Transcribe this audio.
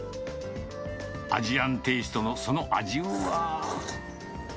アジアンテイストのその味は。